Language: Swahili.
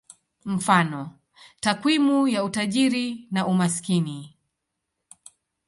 Mfano: takwimu ya utajiri na umaskini.